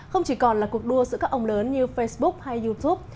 không chỉ còn là cuộc đua giữa các ông lớn như facebook hay youtube